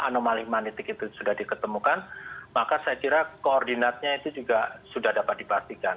anomali magnetik itu sudah diketemukan maka saya kira koordinatnya itu juga sudah dapat dipastikan